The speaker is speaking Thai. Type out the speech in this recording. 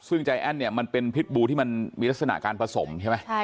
ซึ่งใจแอ้นเนี่ยมันเป็นพิษบูที่มันมีลักษณะการผสมใช่ไหม